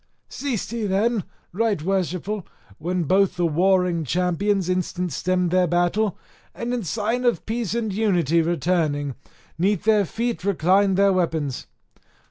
Ceased he then, right worshipful, when both the warring champions instant stemmed their battle, and in sign of peace and unity returning, 'neath their feet reclined their weapons.